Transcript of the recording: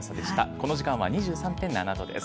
この時間は２３．７度です。